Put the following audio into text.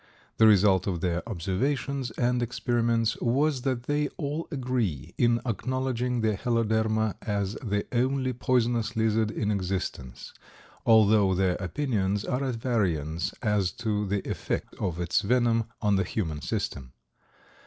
The result of their observations and experiments was that they all agree in acknowledging the Heloderma as the only poisonous lizard in existence, although their opinions are at variance as to the effect of its venom on the human system.